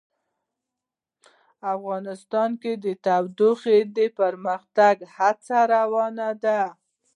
افغانستان کې د تودوخه د پرمختګ هڅې روانې دي.